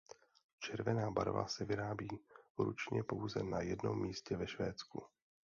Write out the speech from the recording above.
Červená barva se vyrábí ručně pouze na jednom místě ve Švédsku.